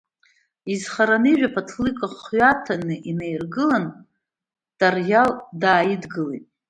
Изхара анижә аԥаҭлыка ахҩа аҭаны инаиргылан Тариал дааидгылеит.